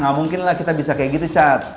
gak mungkin lah kita bisa kayak gitu cat